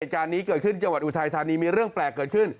เหตุการณ์นี้เกิดขึ้นจังหวัดอุทัยธานีมีเรื่องแปลกเกิดขึ้น